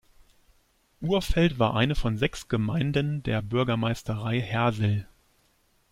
Urfeld war eine von sechs Gemeinden der Bürgermeisterei Hersel.